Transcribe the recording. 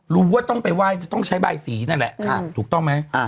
รู้ว่าต้องไปไหว้จะต้องใช้ใบสีนั่นแหละถูกต้องไหม